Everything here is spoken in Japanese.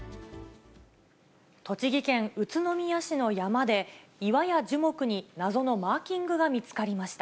栃木県宇都宮市の山で、岩や樹木に謎のマーキングが見つかりました。